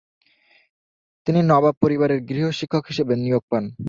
তিনি নবাব পরিবারের গৃহ-শিক্ষক হিসেবে নিয়োগ পান।